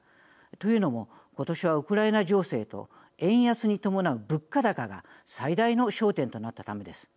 というのも、今年はウクライナ情勢と円安に伴う物価高が最大の焦点となったためです。